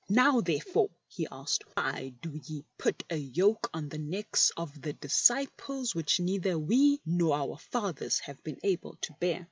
" Now therefore," he asked, " why do ye put a yoke on the necks of the disciples which neither we nor our fathers have been able to bear?"